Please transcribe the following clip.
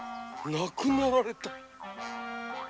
亡くなられた！？